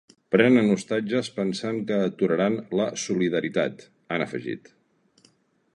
“Prenen ostatges pensant que aturaran la solidaritat”, han afegit.